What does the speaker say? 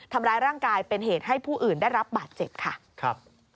ทำร้ายร่างกายเป็นเหตุให้ผู้อื่นได้รับบาดเจ็บค่ะครับ